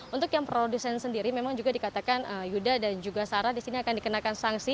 untuk yang produsen sendiri memang juga dikatakan yuda dan juga sarah di sini akan dikenakan sanksi